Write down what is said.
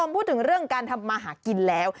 พูดถึงเรื่องการทำมาหากินแล้ว